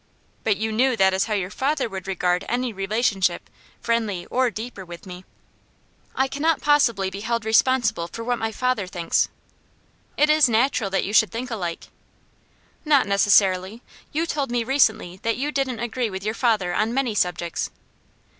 "But you knew that is how your father would regard any relationship, friendly or deeper, with me!" "I cannot possibly be held responsible for what my father thinks." "It is natural that you should think alike." "Not necessarily! You told me recently that you didn't agree with your father on many subjects."